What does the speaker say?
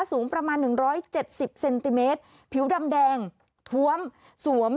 สูงประมาณหนึ่งร้อยเจ็ดสิบเซนติเมตรผิวดำแดงถวมสวม